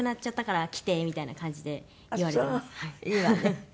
いいわね。